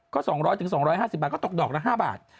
ก็๒๐๐๒๕๐บาทก็ตกดอกละ๕บาท